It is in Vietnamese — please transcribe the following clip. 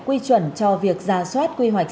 quy chuẩn cho việc rà soát quy hoạch